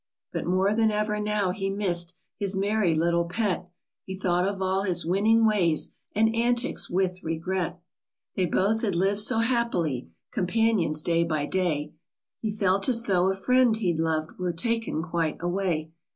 But more than ever now he miss'd His merry little pet ; He thought of all his winning ways And antics with regret 132 FRISKY ; THE SQUIRREL They both had liv'd so happily Companions day by day ; He felt as though a friend he lov'd Were taken quite away.